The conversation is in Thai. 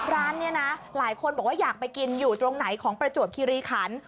ร้านนี้นะหลายคนบอกว่าอยากไปกินอยู่ตรงไหนของประจวบคิริขัน